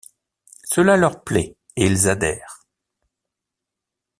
Cela leur plaît et ils adhèrent.